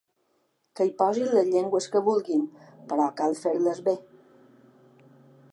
Que hi posin les llengües que vulguin però cal fer-les bé!